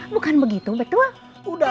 bukan begitu betua